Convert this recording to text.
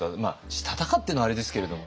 したたかっていうのはあれですけれども。